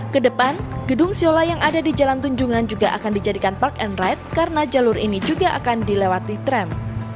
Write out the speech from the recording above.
kedepan gedung siola yang ada di jalan tunjungan juga akan dijadikan park and ride karena jalur ini juga akan dilewati tram